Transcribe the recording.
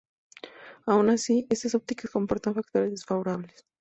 Aun así, estas ópticas comportan factores desfavorables.